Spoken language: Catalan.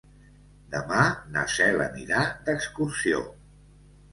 Demà na Cel anirà d'excursió.